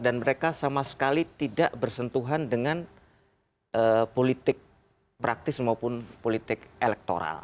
dan mereka sama sekali tidak bersentuhan dengan politik praktis maupun politik elektoral